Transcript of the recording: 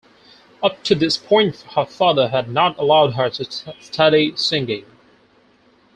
Up to this point her father had not allowed her to study singing.